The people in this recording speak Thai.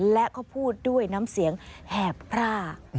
และก็พูดด้วยน้ำเสียงแหบพราก